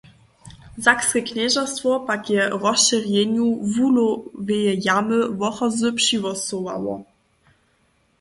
Sakske knježerstwo pak je rozšěrjenju wuhloweje jamy Wochozy přihłosowało.